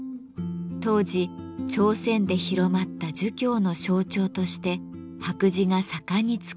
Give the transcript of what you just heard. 当時朝鮮で広まった儒教の象徴として白磁が盛んに作られました。